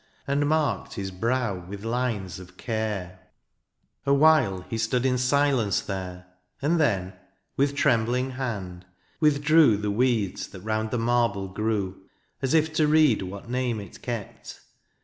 And marked his brow with lines of care : Awhile he stood in silence there. And then, with trembling hand, withdrew The weeds that j*ound the marble grew. As if to read what name it kept.